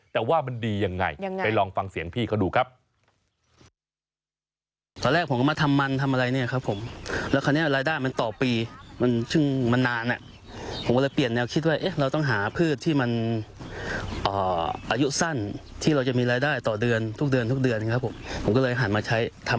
แต่ว่ามันดียังไงไปลองฟังเสียงพี่เขาดูครับ